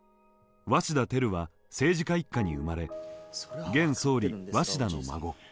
鷲田照は政治家一家に生まれ現総理鷲田の孫。